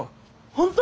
本当？